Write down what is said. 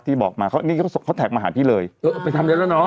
ที่บอกมานี่เขาส่งคอตแท็กมาหาพี่เลยเออไปทำแล้วแล้วเนอะ